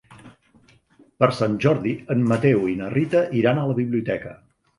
Per Sant Jordi en Mateu i na Rita iran a la biblioteca.